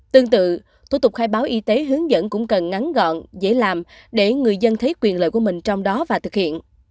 tương tự thủ tục khai báo y tế hướng dẫn cũng cần ngắn gọn dễ làm để người dân thấy quyền lợi của mình trong đó và thực hiện